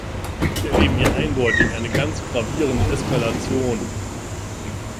Wir erleben hier eindeutig eine ganz gravierende Eskalation.